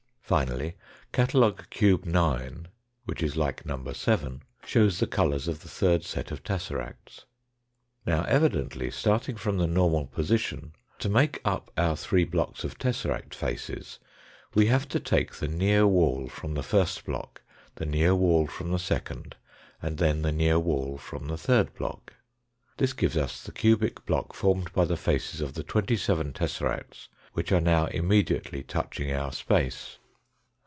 Finally catalogue cube 9, which is like number 7, shows the colours of the third set of tesseracts. Now evidently, starting from the normal position, to make up our three blocks of tesseract faces we have to take the near wall from the first block, the near wall from the second, and then the near wall from the third block. This gives us the cubic block formed by the faces of the twenty seven tesseracts which are now immediately touching our space.